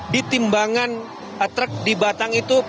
di timbangan truk di batang itu